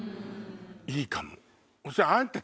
いいかも。